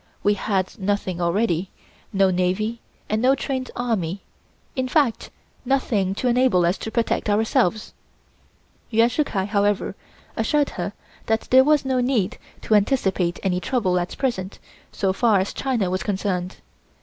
We had nothing ready, no navy and no trained army, in fact nothing to enable us to protect ourselves. Yuan Shih Kai, however, assured her there was no need to anticipate any trouble at present so far as China was concerned.